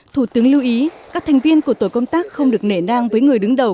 thủ tướng lưu ý các thành viên của tổ công tác không được nể nang với người đứng đầu